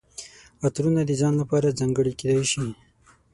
عطرونه د ځان لپاره ځانګړي کیدای شي.